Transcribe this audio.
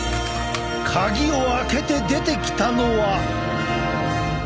鍵を開けて出てきたのは。